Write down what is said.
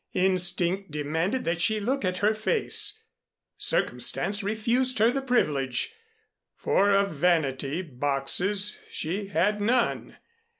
Instinct demanded that she look at her face; circumstance refused her the privilege, for of Vanity Boxes she had none.